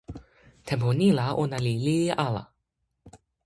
tenpo ni la ona li lili ala.